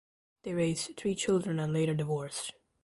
They raised three children and later divorced.